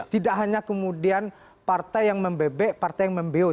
tidak hanya kemudian partai yang membebek partai yang membeu